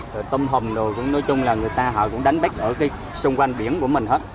rồi tôm hùm đồ nói chung là người ta họ cũng đánh bích ở cái xung quanh biển của mình hết